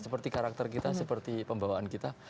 seperti karakter kita seperti pembawaan kita